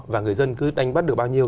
và người dân cứ đánh bắt được bao nhiêu